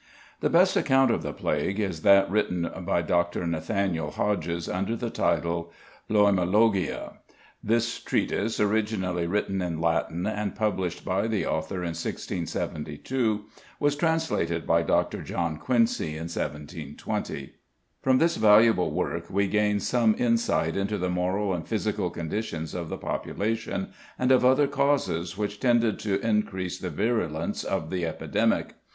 The best account of the plague is that written by =Dr. Nathaniel Hodges=, under the title "Loimologia." This treatise, originally written in Latin and published by the author in 1672, was translated by Dr. John Quincy in 1720. From this valuable work we gain some insight into the moral and physical conditions of the population, and of other causes which tended to increase the virulence of the epidemic.